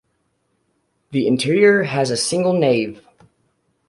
The interior has a single nave.